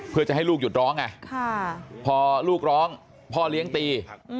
เพื่อจะให้ลูกหยุดร้องไงพอลูกร้องพ่อเลี้ยงตี